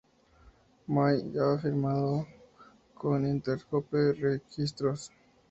Mai ha firmado con Interscope Registros.